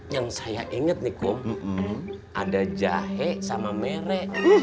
yang saya inget kum ada jahe sama mere